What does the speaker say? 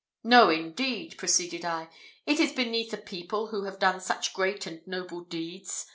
"No, indeed!" proceeded I; "it is beneath a people who have done such great and noble deeds.